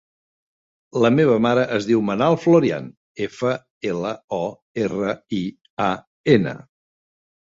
La meva mare es diu Manal Florian: efa, ela, o, erra, i, a, ena.